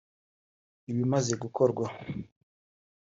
ibimaze gukorwa